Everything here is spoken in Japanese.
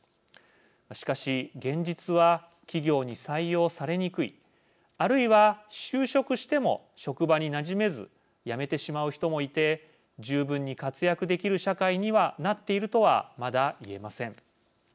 しかし現実は企業に採用されにくいあるいは就職しても職場になじめず辞めてしまう人もいて十分に活躍できる社会になっているとはまだいえません。